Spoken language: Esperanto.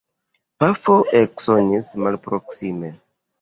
Pafo eksonis malproksime.